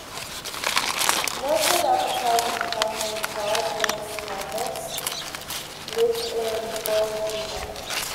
Noted advertising pioneer Charles-Louis Havas lived in Bougival.